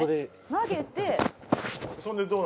投げて。